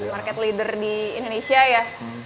market leader di indonesia ya